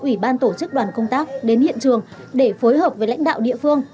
ủy ban tổ chức đoàn công tác đến hiện trường để phối hợp với lãnh đạo địa phương